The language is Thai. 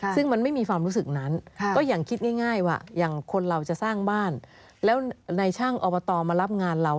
ซึ่งมันไม่มีความรู้สึกนั้นก็ยังคิดง่ายว่าอย่างคนเราจะสร้างบ้านแล้วในช่างอบตมารับงานเรา